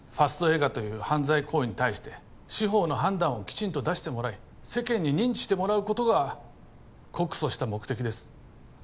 映画という犯罪行為に対して司法の判断をきちんと出してもらい世間に認知してもらうことが告訴した目的です